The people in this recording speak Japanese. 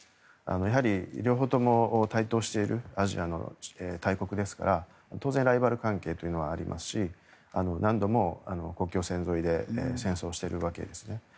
やはり両方とも台頭しているアジアの大国ですから当然ライバル関係というのはありますし何度も国境線沿いで戦争をしているわけですね。